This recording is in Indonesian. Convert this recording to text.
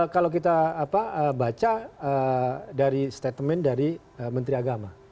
kalau kita baca dari statement dari menteri agama